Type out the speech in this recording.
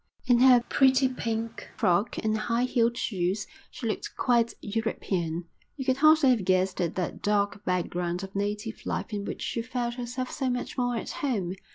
In her pretty pink frock and high heeled shoes she looked quite European. You could hardly have guessed at that dark background of native life in which she felt herself so much more at home.